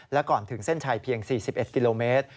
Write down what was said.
และก่อนถึงเส้นชัยเพียง๔๑กิโลเมตร